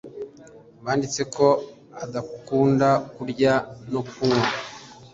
Banditse ko adakunda kurya no kunywa